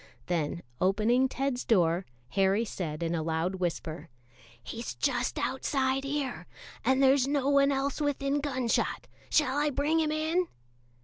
Then opening Ted's door, Harry said in a loud whisper: "He's just outside here, and there's no one else within gun shot; shall I bring him in?"